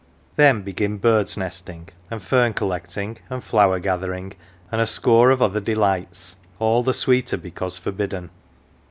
Then begin birds nesting, and fern collecting, and flower gathering, and a score of other delights, all the sweeter because forbidden.